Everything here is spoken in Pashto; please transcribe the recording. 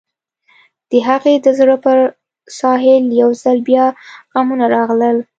د هغې د زړه پر ساحل يو ځل بيا غمونه راغلل.